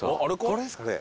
これですかね？